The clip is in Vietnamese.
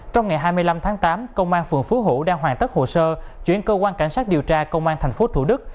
trong ngày hai mươi năm tháng tám công an phường phú hữu đang hoàn tất hồ sơ chuyển cơ quan cảnh sát điều tra công an tp thủ đức